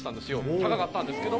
高かったんですけども。